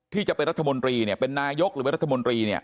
ที่จะเป็นรัฐมนตรีเนี่ยเป็นนายกหรือเป็นรัฐมนตรีเนี่ย